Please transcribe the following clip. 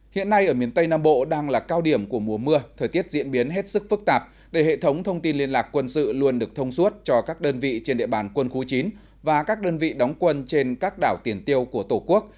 hiện nay ở miền tây nam bộ đang là cao điểm của mùa mưa thời tiết diễn biến hết sức phức tạp để hệ thống thông tin liên lạc quân sự luôn được thông suốt cho các đơn vị trên địa bàn quân khu chín và các đơn vị đóng quân trên các đảo tiền tiêu của tổ quốc